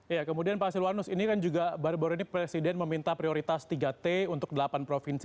ya kemudian pak silwanus ini kan juga baru baru ini presiden meminta prioritas tiga t untuk delapan provinsi